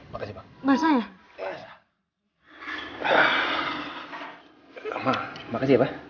makasih ya pak